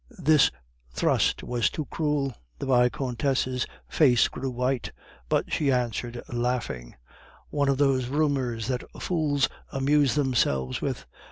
This thrust was too cruel; the Vicomtesse's face grew white, but she answered, laughing, "One of those rumors that fools amuse themselves with.